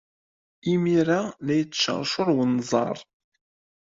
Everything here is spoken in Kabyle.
Imir-a la yettceṛcuṛ wenẓar.